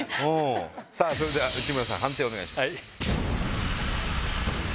それでは内村さん判定をお願いします。